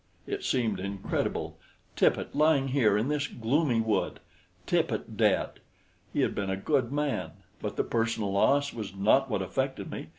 It seemed incredible. Tippet lying here in this gloomy wood! Tippet dead! He had been a good man, but the personal loss was not what affected me.